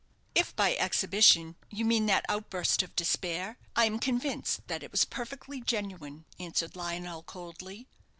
"If by 'exhibition' you mean that outburst of despair, I am convinced that it was perfectly genuine," answered Lionel, coldly.